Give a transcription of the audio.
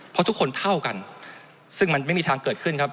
เพราะทุกคนเท่ากันซึ่งมันไม่มีทางเกิดขึ้นครับ